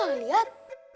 kok gak liat